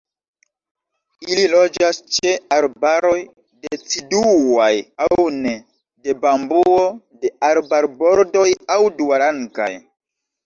Ili loĝas ĉe arbaroj deciduaj aŭ ne, de bambuo, ĉe arbarbordoj aŭ duarangaj.